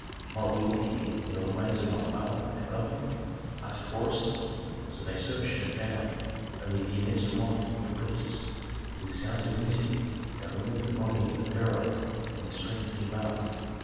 "Might we look here for the remains of my father and brother?" asked Horus. So they searched and found; amid the immense delight of the priests, with sounds of music, they removed the body of the pharaoh from the strengthening bath.